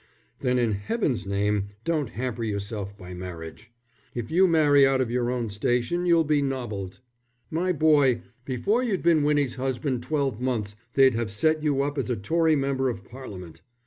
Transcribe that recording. "Then in Heaven's name don't hamper yourself by marriage. If you marry out of your own station you'll be nobbled. My boy, before you'd been Winnie's husband twelve months they'd have set you up as a Tory Member of Parliament.